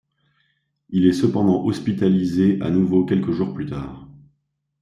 Il est cependant hospitalisé à nouveau quelques jours plus tard.